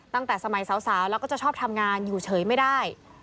ตั้งแต่สมัยสาวแล้วก็จะชอบทำงานอยู่เฉยไม่ได้